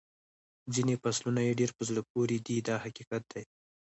ځینې فصلونه یې ډېر په زړه پورې دي دا حقیقت دی.